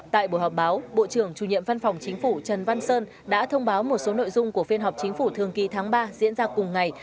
tại buổi họp báo bộ trưởng chủ nhiệm văn phòng chính phủ trần văn sơn đã thông báo một số nội dung của phiên họp chính phủ thường kỳ tháng ba diễn ra cùng ngày